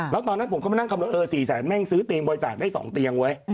แล้วตอนนั้นผมก็มานั่งคำนวณเออ๔แสนแม่งซื้อเตียงบริจาคได้๒เตียงเว้ย